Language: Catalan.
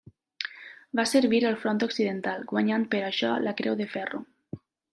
Va servir al front occidental, guanyant per això la Creu de Ferro.